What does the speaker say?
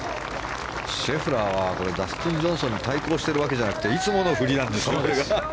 シェフラーは、これはダスティン・ジョンソンに対抗してるわけじゃなくていつもの振りなんですね。